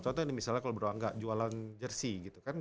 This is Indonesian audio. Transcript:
contohnya ini misalnya kalau beruang gak jualan jersey gitu kan